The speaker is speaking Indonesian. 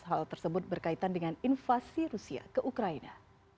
hal tersebut berkaitan dengan invasi rusia ke ukraina